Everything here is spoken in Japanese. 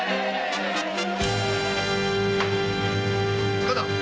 塚田！